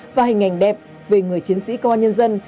và hình ảnh đẹp về người chiến sĩ công an nhân dân